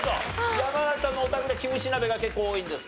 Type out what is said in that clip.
山崎さんのお宅でキムチ鍋が結構多いんですか？